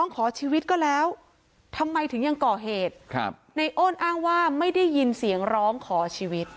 ขอชีวิตก็แล้วทำไมถึงยังก่อเหตุในโอนอ้างว่าไม่ได้ยินเสียงร้องขอชีวิต